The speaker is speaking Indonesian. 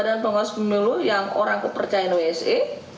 dan kemudian ada yang kepercayaan wse